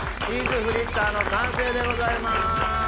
チーズフリッターの完成でございます。